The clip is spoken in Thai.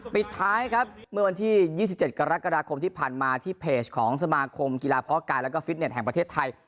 ปิดท้ายครับเมื่อวันที่๒๗กรกฎาคมที่ผ่านมาที่เพจของสมาคมกีฬาเพาะกายแล้วก็ฟิตเน็ตแห่งประเทศไทย